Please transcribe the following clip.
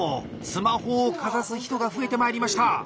スマホをかざす人が増えてまいりました。